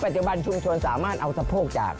จุบันชุมชนสามารถเอาสะโพกจาก